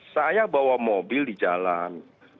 saya bawa mobil di jalan